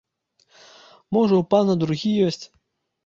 Можа, у пана другі ёсць?